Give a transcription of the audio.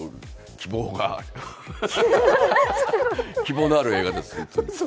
希望のある映画です。